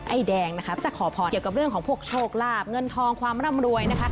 ไอ้แดงนะคะจะขอพรเกี่ยวกับเรื่องของพวกโชคลาบเงินทองความร่ำรวยนะคะ